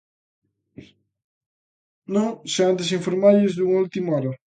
Non se antes informarlles dunha última hora.